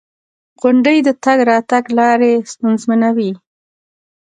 • غونډۍ د تګ راتګ لارې ستونزمنوي.